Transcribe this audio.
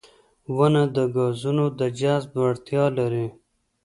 • ونه د ګازونو د جذب وړتیا لري.